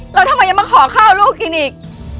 แล้วทำไมยังมาขอข้าวลูกกินอีก